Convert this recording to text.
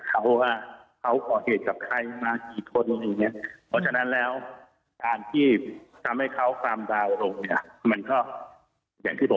มีอาวุธอื่นอีกไหมมีผู้ร่วมกันทำความผิดไหม